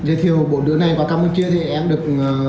rồi giới thiệu bộ đứa này qua campuchia thì em được